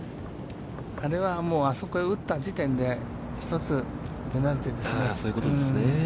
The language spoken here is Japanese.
あそこ打った時点で１つペナルティーですね。